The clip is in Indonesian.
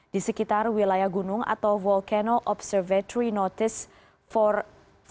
di sekitar wilayah gunung atau volcano observatory notice empat